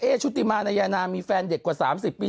ชุติมานายนามีแฟนเด็กกว่า๓๐ปี